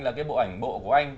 là cái bộ ảnh bộ của anh